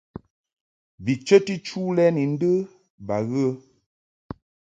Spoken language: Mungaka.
Bi chəti chu lɛ ni ndə ba ghə.